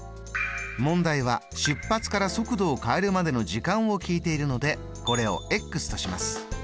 問題は出発から速度を変えるまでの時間を聞いているのでこれをとします。